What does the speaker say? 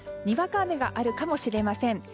にわか雨があるかもしれません。